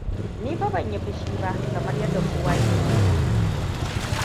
Ni fa ban yi fushi ba kamar yadda kowa ke tunani.